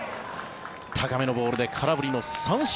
高めのボールで空振りの三振。